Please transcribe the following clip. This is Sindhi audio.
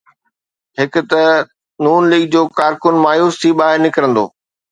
هڪ ته نون ليگ جو ڪارڪن مايوس ٿي ٻاهر نڪرندو.